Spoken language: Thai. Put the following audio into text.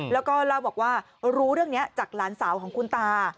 แล้วก็รู้เรื่องนะจากหลานสาวของคุณตา